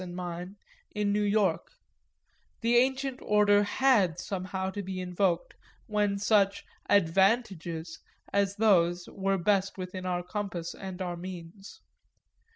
's and mine, in New York: the ancient order had somehow to be invoked when such "advantages" as those were the best within our compass and our means.